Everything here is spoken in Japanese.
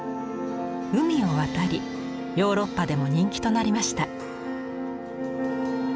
海を渡りヨーロッパでも人気となりました。